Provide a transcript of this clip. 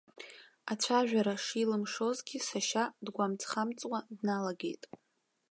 Ацәажәара шилымшозгьы, сашьа дгәамҵхамҵуа дналагеит.